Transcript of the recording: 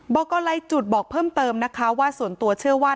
บอกกรไล่จุดบอกเพิ่มเติมนะคะว่าส่วนตัวเชื่อว่า